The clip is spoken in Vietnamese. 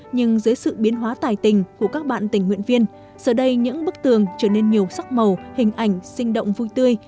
nhưng dưới sự biến hóa tài tình của các bạn tình nguyện viên giờ đây những bức tường trở nên nhiều sắc màu hình ảnh sinh động vui tươi